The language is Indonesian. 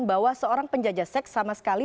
bahwa seorang penjajah seks sama sekali